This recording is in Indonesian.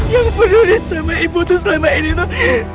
yang peduli sama ibu selama ini tuh